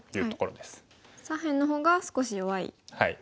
左辺の方が少し弱い。